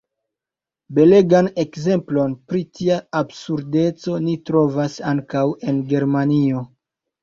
Belegan ekzemplon pri tia absurdeco ni trovas ankaŭ en Germanio.